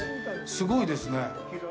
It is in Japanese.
すごいですね。